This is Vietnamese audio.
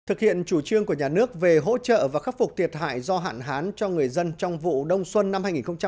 thực hiện chủ trương của nhà nước về hỗ trợ và khắc phục thiệt hại do hạn hán cho người dân trong vụ đông xuân năm hai nghìn một mươi năm hai nghìn một mươi sáu